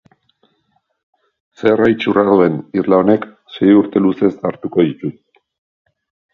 Ferra itxura duen irla honek sei urte luzez hartuko ditu.